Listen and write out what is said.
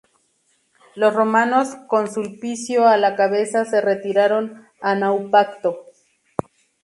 Los romanos, con Sulpicio a la cabeza, se retiraron a Naupacto.